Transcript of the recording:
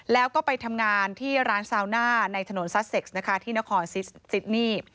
แล้วก็ไปทำงานที่ร้านซาวน่าในถนนซาเซ็กซ์นะคะที่นครซิดนี่